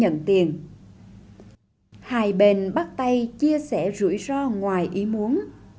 hai bên bắt tay chia sẻ rủi ro ngoài ý muốn